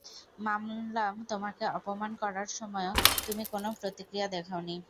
মানলাম তোমাকে অপমান করার সময় তুমি কোনো প্রতিক্রিয়া দেখাওনি।